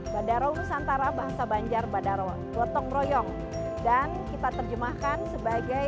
kami berkata bahwa kemampuan yang kita lakukan adalah untuk mendorong kebangkitan umkm